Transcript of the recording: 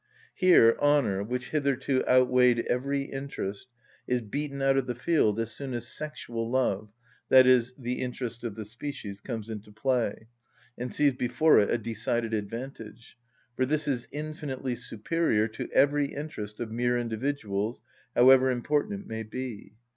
Here, honour, which hitherto outweighed every interest, is beaten out of the field as soon as sexual love, i.e., the interest of the species, comes into play, and sees before it a decided advantage; for this is infinitely superior to every interest of mere individuals, however important it may be.